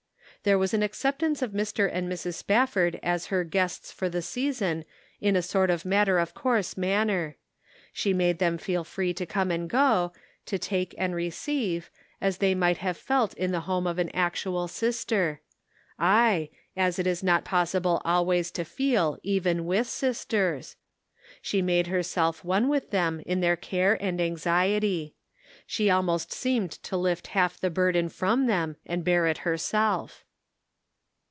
There was an acceptance of Mr. and Mrs. Spafford as her guests for the season in a sort of matter of course manner. She made them feel free to come and go, to take and receive, as they might have felt in the home of an actual sister ; ajre, as it is not possible always to feel, even with sisters. She made herself one with them in their care and anx iet}r. She almost seemed to lift half the bur den from them and bear it herself.